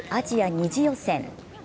２次予選。